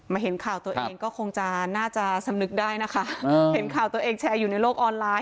เห็นข่าวตัวเองก็คงจะน่าจะสำนึกได้นะคะเห็นข่าวตัวเองแชร์อยู่ในโลกออนไลน